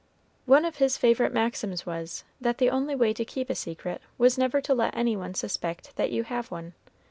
One of his favorite maxims was, that the only way to keep a secret was never to let any one suspect that you have one.